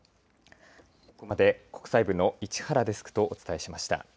ここまで国際部の市原デスクとお伝えしました。